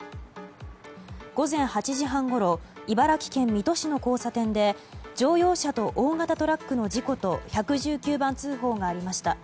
午前８時半ごろ茨城県水戸市の交差点で乗用車と大型トラックの事故と１１９番通報がありました。